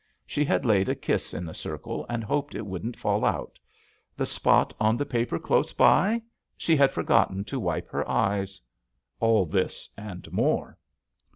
She had laid a kiss in the circle and hoped it wouldn't fall out. The spot on the paper close by ? She had forgotten to wipe her eyes. All this and more.